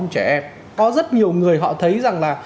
trẻ em có rất nhiều người họ thấy rằng là